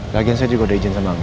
lagian saya juga udah izin sama